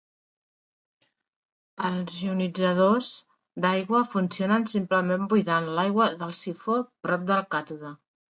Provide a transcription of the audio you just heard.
Els ionitzadors d'aigua funcionen simplement buidant l'aigua per sifó prop del càtode.